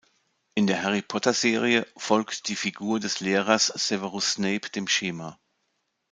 In der Harry-Potter-Serie folgt die Figur des Lehrers Severus Snape dem Schema.